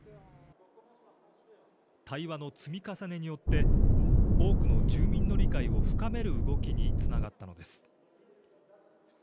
対話の積み重ねによって、多くの住民の理解を深める動きにつながったのです。